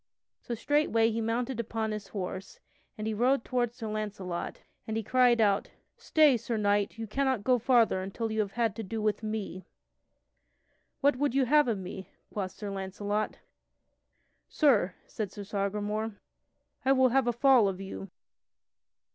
So straightway he mounted upon his horse, and he rode toward Sir Launcelot, and he cried out: "Stay, Sir Knight, you cannot go farther until you have had to do with me." "What would you have of me?" quoth Sir Launcelot. "Sir," said Sir Sagramore, "I will have a fall of you."